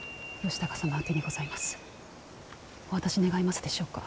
お渡し願えますでしょうか。